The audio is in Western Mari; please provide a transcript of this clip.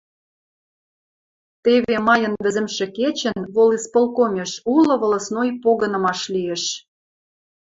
Теве майын вӹзӹмшӹ кечӹн волисполкомеш улы волостной погынымаш лиэш